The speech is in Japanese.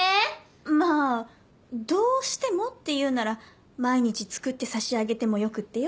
まあどうしてもって言うなら毎日作ってさしあげてもよくってよ？